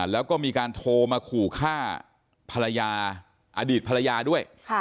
แล้วก็มีการโทรมาขู่ฆ่าภรรยาอดีตภรรยาด้วย